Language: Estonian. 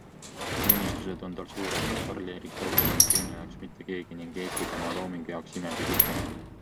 Ja unistused on tal suured, Karl-Erik Taukar on Triinu jaoks mitte keegi ning Eesti tema loomingu jaoks imepisike.